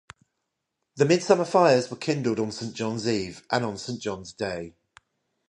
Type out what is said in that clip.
The midsummer fires were kindled on St. John's Eve and on St. John's Day.